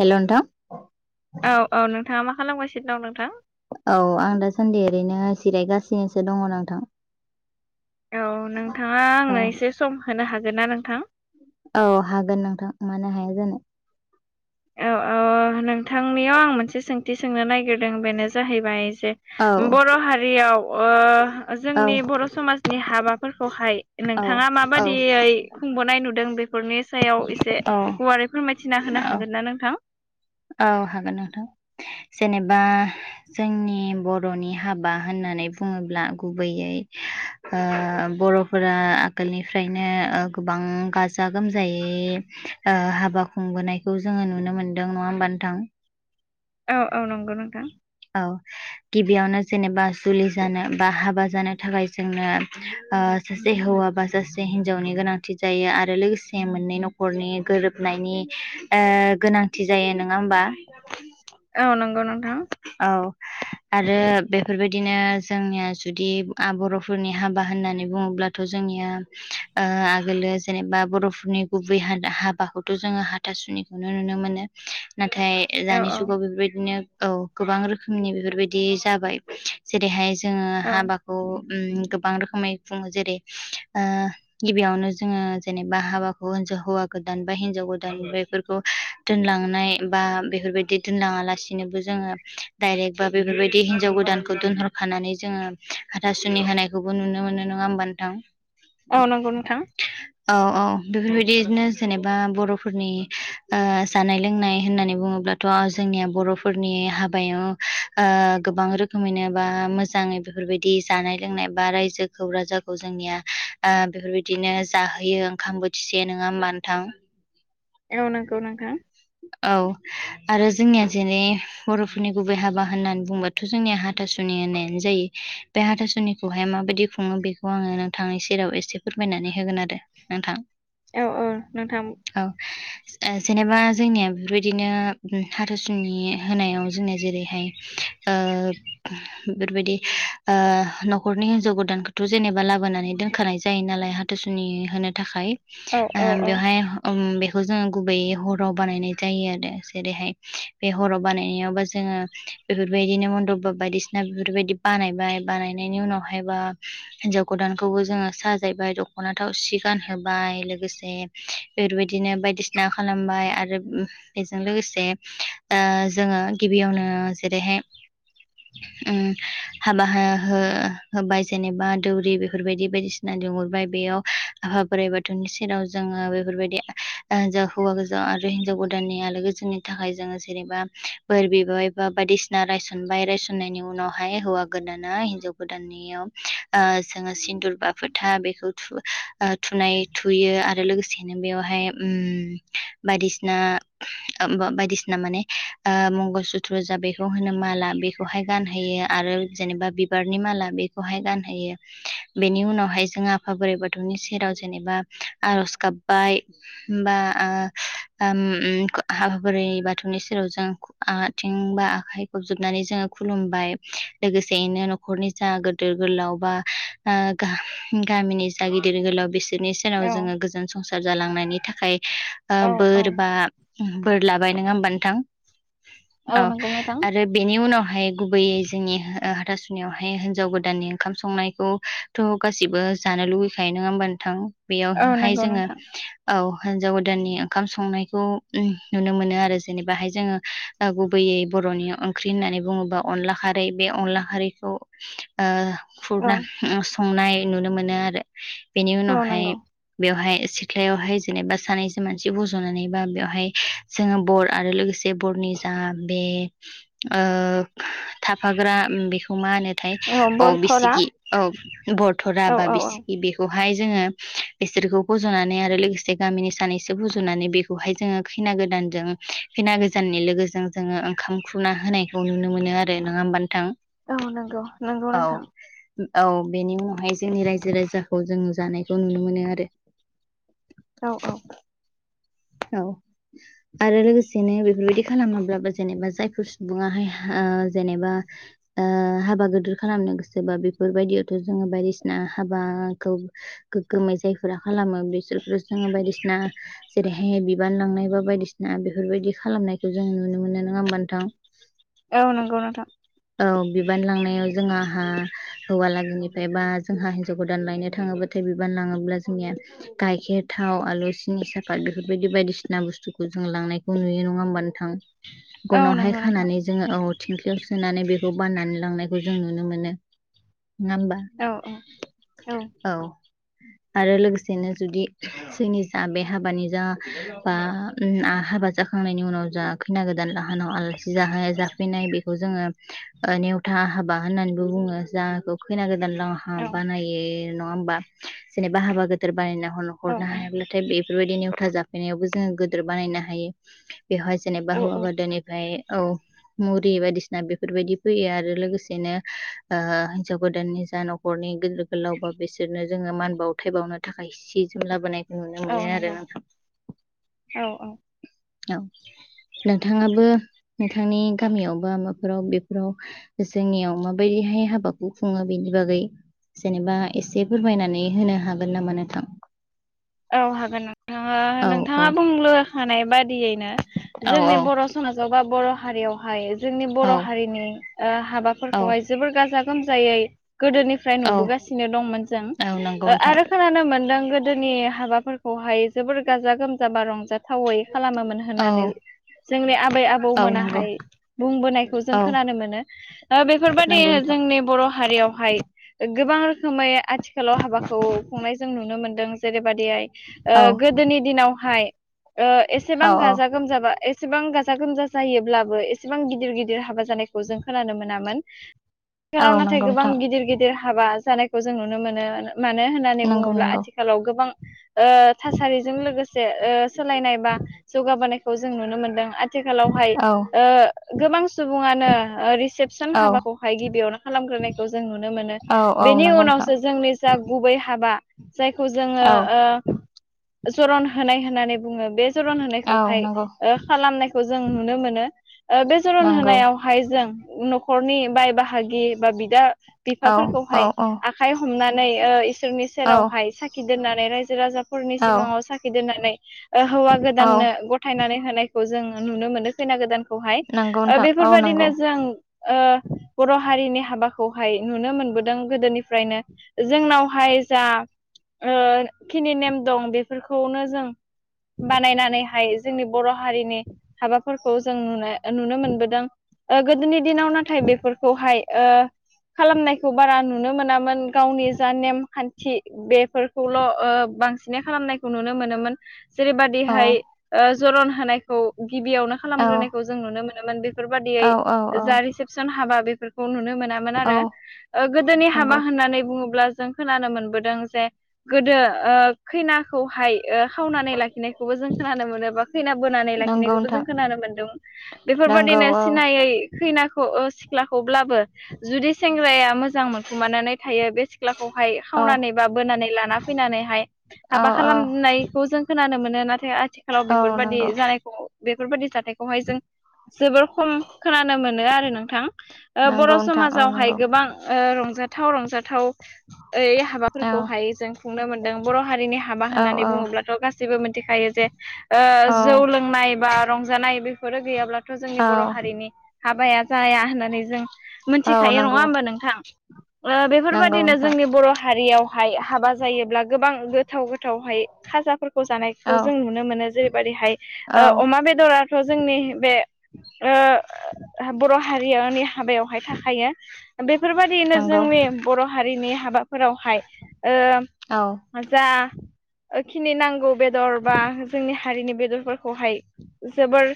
हेल' नोंथां। औ -औ नोंथाङा मा खालामगासिनो दं नोंथां? औ आं दासान्दि ओरैनो सिरायगासिनोसो दङ नोंथां। औ नोंथाङा औ आंनो एसे सम होनो हागोन ना नोंथां? औ हागोन नोंथां मानो हाया जानो। औ -औ नोंथांनियाव आं मोनसे सोंथि सोंनो नागिरदों बेनो जाहैबाय औ बर' हारियाव ओ औ जोंनि बर' समाजनि हाबाफोरखौहाय औ नोंथाङा औ माबायदियै खुंबोनाय नुदों बेफोर नि सायाव एसे औ गुवारै फोरमायथिना होनो हागोन ना नोंथां? औ हागोन नोंथां। जेनेबा जोंनि बर'नि हाबा होननानै बुङोब्ला गुबैयै ओ बर'फोरा आगोलनिफ्रायनो गोबां गाजा - गोमजायै ओ हाबा खुंबोनायखौ जोङो नुनो मोनदों नङा होमबा नोंथां। औ - औ नंगौ नोंथां। औ गिबियावनो जेनेबा जुलि जानो बा हाबा जानो थाखाय जोंनो ओ सासे हौवाबा सासे हिनजावनि गोनांथि जायो आरो लोगोसे मोननै न'खरनि गोरोबनायनि गोनांथि जायो नङा होमबा। औ नंगौ नोंथां। औ आरो बेफोरबायदिनो जोंनिया जुदि आ बर'फोरनि हाबा होननानै बुङोब्लाथ' जोंनिया ओ आगोलो जेनेबा बर'फोरनि गुबै हाबाखौथ' जोङो हाथासुनि खौनो नुनो मोनो नाथाय औ दानि औ जुगाव बेफोरबायदिनो औ गोबां रोखोमनि बेफोरबायदि जाबाय जेरैहाय जोङो औ हाबाखौ गोबां रोखोमै खुङो जेरै गिबियावनो जोङो जेनेबा हाबाखौ जे हौवा गोदान बा हिनजाव गोदान बेफोरखौ दोनलांनाय बा बेफोरबायदि दोनलाङालासे लासिनोबो जोङो डायरेक्ट बा बेफोरबायदि हिनजाव गोदानखौ दोनहरखानानै जोङो हाथासुनि होनायखौबो नुनो मोनो। मोनो नङा होमबा नोंथां। औ नंगौ नोंथां। औ - औ बेफोरबायदिनो जेनेबा बर'फोरनि जानाय लोंनाय होननानै बुङोब्ला थ' जोंनिया बर'फोरनि हाब हाबायाव ओ गोबां रोखोमैनो बा मोजाङै बेफोरबायदि जानाय लोंनाय बा रायजो खौ राजाखौ जोंनिया ओ बेफोरबायदिनो जाहोयो ओंखाम बोथिसे नोङा होमबा नोंथां। औ नंगौ नोंथां। औ आरो जोंनिया जेरै बर'फोरनि गुबै हाबा होननानै बुंबाथ' जोंनिया हाथासुनि होननायानो जा जायो बे हाथासुनिखौहाय माबायदि खुंङो बेखौ आंङो नोंथांनि सेराव एसे फोरमायनानै होगोन आरो दे नोंथां औ औ नोंथां औ ओ जेनेबा जोंनिया बेफोरबायदिनो हाथासुनि होनायाव जोंनिया जेरैहाय ओ बेफोरबायदि ओ नखरनि हिनजाव गोदानखौथ' जेनेबा लाबोनानै दोनखानाय जायो नालाय हाथासुनि होनो थाखाय औ औ बेवहाय ओम बेखौ जों गुबैयै हराव बानायनाय जायो आरो जेरैहाय बे हराव बानायनायावबा जोंङो बेफोर बेबायदिनो मन्दब बायदिसिना बेफोरबायदि बानायबाय बानायनायनि उनावहाय बा हिनजाव गोदानखौ जो साजायबाय दखना थावसि गानहोबाय लोगोसे बेफोरबायदिनो बायदिसि ना खालामबाय आरो बेजों लोगोसे ओ जोंङो गिबियावनो जेरैहाय [unintelligible] उम हाबा हो-हो होबाय जेनेबा दौरि बेफोरबायदि बायदिसिना लिंहुरबाय बेयाव आफा बोराइ बाथौनि सेराव जोंङो बेफोरबायदि ओ जा हौवा गोजाव आरो हिनजाव गोदाननि आलो गोजोननि थाखाय जोंङो जेनेबा बोर बिबाय बा बाय दिसिना रायसनबाय रायसननायनि उनावहाय हौवा गोदाना हिनजाव गोदाननियाव ओ जोंङो सिन्दुर बा फो था बेखौ थु-थुनाय थुयो आरो लोगोसेनो बेवहाय उम बायदिसिना बायदिसिना माने ओ मंगल सुत्र जा बेखौ होनो मा ला बेखौहाय गानहोयो आरो‌ जेनेबा बिबारनि माला बेखौहाय गानहोयो बेनि उन नावहाय जोंङो आफा बोराइ बाथौनि सेराव जेनेबा आरज गाबबाय होनबा ओ ओम उम आफा बोराय बाथौनि सेराव जों आथिं बा आखाय खबजबनानै जोंङो खुलुमबाय लोगोसेयैनो न'खरनि जा गोदिर गोलाव बा ओ गा गामिनि जा गिदिर गोलाव बे सोरनि सेराव औ जोंङो गोजोन संसार जालांनायनि थाखाय औ बोर औ बा बोर लाबाय नोंङा होनबा नोंथां औ नंगौ नोंथां। आरो बेनि उनावहाय गुबैयै जोंनि ओ‌ हाथा सु नियावहाय हिनजाव गोदाननि ओंखाम संनायखौथ' गासिबो जानो लुुबैखायो नंङा होमबा नोंथां औ बेयावहाय नंगौ जोंङो नोंथां औ हिन्जाव गोदाननि ओंखाम संनायखौ नुनो मोनो आरो जेनेबाहाय जोंङो गुबै बर'नि ओंख्रि होननानै बुङोबा अनला खारै बे अनला खारैखौ ओ औ खुरना उम संनाय नुनो मोनो आरो बेनि औ उनावहाय नंगौ बेवहाय बेवहाय जेनेबा सानैसो मानसि फजनानै बा बेवहाय जोंङो बर आरो लोगोसे बरनि जा बे ओ [inaudible] थाफाग्रा बेखौ मा होनोथाय औ बिसिखि औ बरथरा औ बा औ औ बिसिखि बेखौ हाय जोंङो बिसोरखौ फजनानै आरो लो गोसे गामिनि सानैसो फुजुनानै बेखौहाय जोंङो खैना गोदानजों खैना गोजाननि लोगोजों जोंङो ओंखाम खुना होनायखौ नुनो मोनो आरो नोंङा होनबा नोंथां औ नंगौ नंगौ औ नोंथां औ बेनि उनावहाय जोंनि रायजो राजाखौ जों जानायखौ नुनो मोनो आरो औ औ औ आरो लोगोसेनो बेफोरबायदि खालामाब्लाबो जेनेबा जायफोर सुबुंङाहाय ओ जेनेबा ओ हाबा गिदिर खालामनो गोसोबा बेफोरबायदि जोंङो बायदिसिना हाबाखौ गोग्गोमै जायफोरा खालामो बिसोरखौ जोंङो बायदिसिना ए बिबान लांनाय बा बायदिसिना बेफोरबायदि खालामनायखौ जों नुनो मोनो नंङा होनबा नोंथां औ नोंगौ नों औ बिबार लांनायाव जों हा हौवालागोनिफ्राय बा जोंहा हिन्जाव गोदान लायनो थांङोब्लाथाय बिबान लांङोब्ला जोंनिया गाइखेर थाव, आलु, सिंनि‌, साफ फाद बेफोरबायदि बायदिसिना बुस्थुखौ जों लांनायखौ नुयो नंङा होमबा नोंथां औ गनावहाय नंगौ नोंथां खानानै जोंङो औ थिंख्लयाव सोनानै बेखौ बाननानै लांनाय खौ जों नुनो मोनो। नङा होमबा औ औ औ आरो लोगोसेनो जुदि जोंनि जा बे हाबानि जा बा जाखांनायनि उनाव जा खैना गोदान लाहानाव आलासि जाहोयो नाय बेखौ जोङो नेवथा हाबा होननानैबो बुंङो जाखौ खै दानहा औ बानायो नंङा होमबा जेनेब बा हाबा गोदोर बानायना हरनो हायाब्लाथाय बेफोरबायदि नेवथा जाफैनायावबो जोङो गिदोर बानायनो हायो बेवहाय जेनेबा औ हौवा औ गोदोनिफ्राय औ मुरि बायदिसिना बेफोरबायदि फैयो आरो लोगोसेनो हिन्जाव गोदाननि जा न'खरनि गिदिर गोलाव बा बिसोरनो जोङो मान बाउथाय बाउनो थाखाय सि जोम लाबोनाय नुनो मोनो आरो नोंथां औ औ औ नोंथाङाबो नोंथांनि गामियावबो माबाफोराव बेफोराव जोंनियाव माबायदि हाय हाबाखौ खुङो बेनि बागै जेनेबा एसे फोरमायनानै होनो हागोन नामा नोंथां? औ हा नोंथाङा औ नोंथाङा औ बुंनो होनाय बादियैनो औ जोंनि औ बर' समाजाव बा बर' हारियावहाय जोंनि बर' औ हारिनि औ हाबाफोरखौहाय जोबोर गाजा गोमजायै गोदोनिफ्राय औ नुबोगासिनो दंमोन जों औ नंगौ नोंथां आरो खोनानो मोनदों गोदोनि फोरखौहाय जोबोर गाजा गोमजा बा रंजाथावै खालामोमोन औ होननानै। जोंनि आबै औ नंगौ आबौमोनाहाय बुंबोनायखौ जों औ खोनानो मोनो बेफोरबायदि नंगौ नोंथां जोंनि बर' हारियावहाय गोबां रोखोमै आथिखालाव हाबाखौ खुंनाय जों नुनो मोनदों जेरै ओ औ गोदोनि दिनावहाय ओ औ एसेबां गाजा औ गोमजाबा एसेबां गाजा गोमजा जायोब्लाबो एसेबां गिदिर गिदिर हाबा जानायखौ जों खोनानो मोनामोन। आथिखालाव औ नाथाय नंगौ गोबां नोंथां गिदिर गिदिर हाबा जानायखौ जों नुनो मोनो। मानो होननानै नंगौ बुङोब्ला नंगौ आथिखालाव गोबां थासारिजों लोगोसे सोलायनाय बा जौगाबोनायखौ जों नुनो मोनदों। आथिखालावहाय औ ओ गोबां सुबुङानो रिसेपसन औ हाबाखौहाय गिबियावनो खालाम नायखौ जों नुनो मोनो औ औ बेनि नंगौ उनाव नोंथां सो जोंनि जा गुबै हाबा जायखौ जोङो औ ओ जरन होनाय होननानै बुङो बे जरन औ नंगौ होनायखौहाय खालामनायखौ जों नुनो मोनो बे जरन नंगौ होनायाव हाय जों न'खरनि बाय बाहागि बा बिदा औ बिफाफोरखौहाय औ आखाइ हमनानै ओ इसोरनि औ सेरावहाय साखि दोननानै राय राजफोरनि औ सिगाङाव साखि दोननानै हौवा औ गोदाननो गथायनानै होनाय खौ जों नुनो मोनो खैना गोदान खौहाय नंगौ ओ नोंथां औ बेफोरबायदिनो नंगौ जों ओ बर' हारिनि हाबाखौ खौहाय नुनो मोनबोदों गोदोनिफ्रायनो जोंनावहाय जा ओ खिनि नेम दं बेफोरखौनो जों बानायनानैहाय जोंनि बर' हारिनि हाबाफोरखौ जों नुनो मोनबोदों। ओ गोदोनि दिनाव नाथाय बेफोरखौहाय ओ खालामनायखौ बारा नुनो मोनामोन गावनि जा नेमखान्थि बेफोरखौल' ओ बांसिनै खालामनायखौ नुनो मोनोमोन औ जेरैबायदिहाय ओ जरन होनायखौ गिबियावनो औ खालामग्रोनायखौ जों नुनो मोनोमोन बेफोरबादियै औ औ जा औ रिसेपसन हाबा बेफोरखौ नुनो मोनामोन औ आरो ओ गोदोनि हाबा नंगौ होननानै बुङोब्ला जों खोनानो मोनबोदों जे गोदो ऐ खैनाखौहाय ओ खावनानै लाखिनायखौबो जों खोनानो मोनो बा खैना बोनानै नंगौ लाखिनायखौबो जों नोंथां खोनानो मोनदों बेफोर नंगौ बेफोरबादिनो औ सिनायै खैनाखौ ओ ब्लाबो जुदि सेंग्राया मोजां मोनखुमानानै थायो बे सिख्लाखौहाय औ खावनानै बा बोनानै लाना फैनानै औ हाबा औ खालामनायखौ जों खोनानो मोनो नाथाय आथिखालाव औ बेफोरबादि नंगौ जानायखौ बेफोरबायदि जाथायखौहाय जों जोबोर खम खोनानो मोनो आरो नोंथां बर' नंगौ नोंथां औ समाजावहाय नंगौ गोबां रंजा रंजाथाव रंजाथाव ओइ औ हाबाफोरखौहाय जों खुंनो मोन दों‌ बर' हारिनि हाबा औ होननानै बुङोब्लाथ' गासैबो मिथिखायो जे ओ जौ लोंनाय बा रंजानाय बेफोरो गैयाब्लाथ' औ जोंनि बर' हारिनि हाबाया जाया होननानै जों औ मिथिखायो नङा नंगौ होमबा नोंथां? ओ नंगौ बेफोरबायदिनो नोंथां जोंनि बर' हारियावहाय हाबा जायोब्ला गोबां गोथाव गोथावहाय खाजाफोरखौ जानायखौ औ जों नुनो मोनो जेरैबायदिहाय औ अमा बेदराथ' जोंनि बे ओ बर' हारिनि हाबायावहाय थाखायो बे बेफोरबायदिनो नंगौ जोंनि बर' हारिनि हाबाफोरावहाय ओ औ जाखिनि नांगौ बेदर बा जोंनि हारिनि बेदरफोरखौहाय जोबोर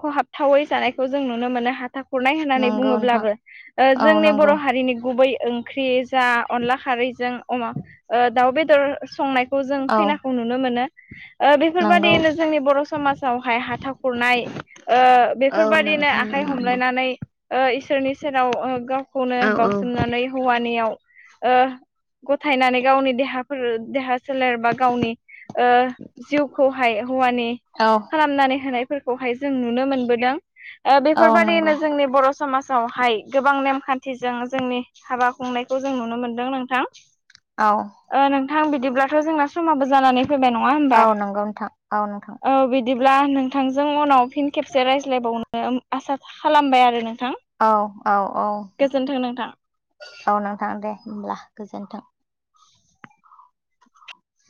खहाबथावै जानायखौ जों नुनो मोनो हाथा खुरनाय होननानै नंगौ नोंथां बुङोब्लाबो औ जोंनि नंगौ बर' हारिनि गुबै ओंख्रि जा अनला खारैजों अमा ओ दाव बेदर संनायखौ जों औ खैनाखौ नुनो मोनो ओ नंगौ बेफोरबायदियैनो जोंनि बर' समाजावहाय हाथा खुरनाय ओ औ बेफोरबायदिनो नोंथां औ आखाइ नंगौ हमलायनानै ओ इसोरनि सेराव ओ गावखौनो औ बाउसोमनानै हौवानियाव ओ गथायनानै गावनि देहाफोर देहा सोलेर बा गावनि ओ जिउखौहाय हौवानि औ खालामनानै होनाय फोरखौहाय जों नुनो मोनबोदों ओ औ नंगौ बेफोरबायदिनो जोंनि बर' समाजावहाय गोबां नेम खान्थिजों जोंनि हाबा खुंनायखौ जों नुनो मोनदों नोंथां औ ओ नोंथां बिदिब्लाथ' जोंना समाबो जानानै फैबाय नङा होमबा औ नंगौ नोंथां नोंथां औ बिदि बिदिब्ला नोंथांजों उनाव फिन खेबसे रायज्लायबावनो आसा खालामबाय आरो नोंथां औ औ औ गोजोन्थों नोंथां। औ नोंथां दे होनब्ला गोजोनथों